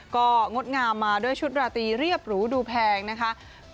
ก็งดงามมาด้วยชุดราตรีเรียบหรูดูแพงนะคะ